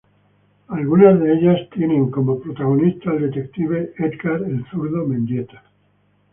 Algunas de ellas tienen como protagonista al detective Edgar "El Zurdo" Mendieta.